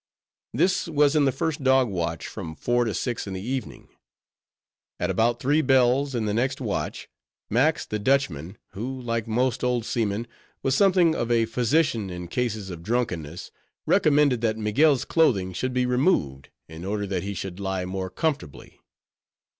This was in the first dog watch, from four to six in the evening. At about three bells, in the next watch, Max the Dutchman, who, like most old seamen, was something of a physician in cases of drunkenness, recommended that Miguel's clothing should be removed, in order that he should lie more comfortably.